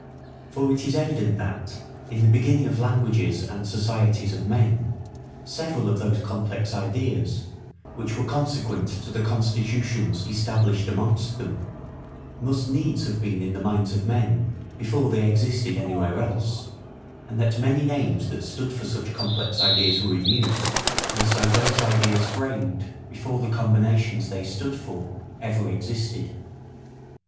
For it is evident that, in the beginning of languages and societies of men, several of those complex ideas, which were consequent to the constitutions established amongst them, must needs have been in the minds of men before they existed anywhere else; and that many names that stood for such complex ideas were in use, and so those ideas framed, before the combinations they stood for ever existed.